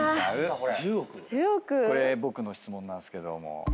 これ僕の質問なんですけども。